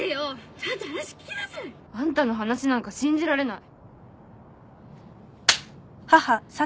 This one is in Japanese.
ちゃんと話聞きなさい！あんたの話なんか信じられない。